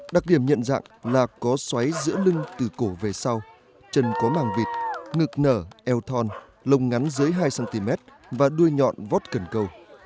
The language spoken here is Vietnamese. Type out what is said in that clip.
đặc điểm nhận dạng là có xoáy giữa lưng từ cổ về sau chân có màng vịt ngực nở eo thon lồng ngắn dưới hai cm và đuôi nhọn vót cần cầu